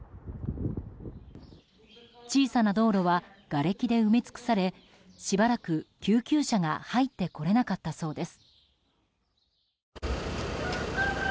小さな道路はがれきで埋め尽くされしばらく救急車が入ってこれなかったそうです。